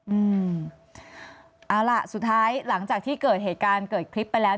อืมเอาล่ะสุดท้ายหลังจากที่เกิดเหตุการณ์เกิดคลิปไปแล้ว